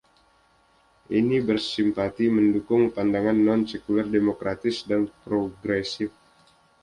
Ini bersimpati mendukung pandangan non-sekuler demokratis dan progresif.